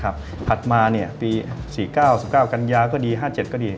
ถัดมาปี๔๙๑๙กันยาก็ดี๕๗ก็ดี